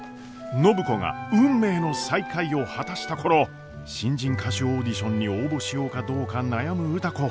暢子が運命の再会を果たした頃新人歌手オーディションに応募しようかどうか悩む歌子。